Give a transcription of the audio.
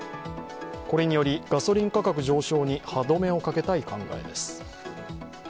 これによりガソリン価格上昇に歯止めをかけたい考えです。